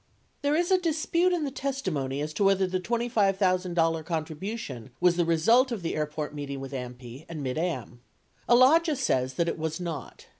There is a dispute in the testimony as to whether the $25,000 con tribution was the result of the airport meeting with AMPI and Mid Am. Alagia says that it was not.